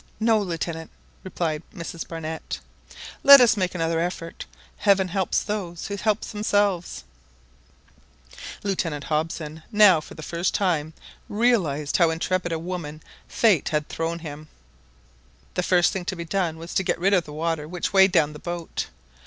"No, Lieutenant," replied Mrs Barnett; "let us make another effort. Heaven helps those who help themselves !" Lieutenant Hobson now for the first time realised with how intrepid a woman fate had thrown him. The first thing to be done was to get rid of the water which weighed down the boat.